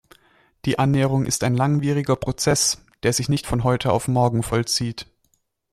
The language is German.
Die Annäherung ist ein langwieriger Prozess, der sich nicht von heute auf morgen vollzieht.